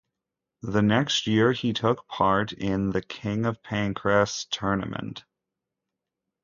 The next year, he took part in the King of Pancrase tournament.